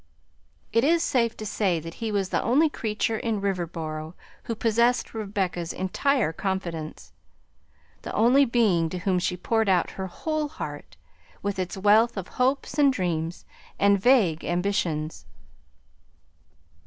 It is safe to say that he was the only creature in Riverboro who possessed Rebecca's entire confidence; the only being to whom she poured out her whole heart, with its wealth of hopes, and dreams, and vague ambitions.